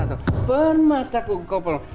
atau permata kukopel